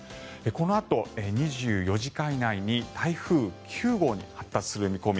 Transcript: このあと２４時間以内に台風９号に発達する見込み。